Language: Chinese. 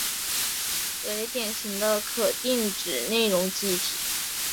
为典型的可定址内容记忆体。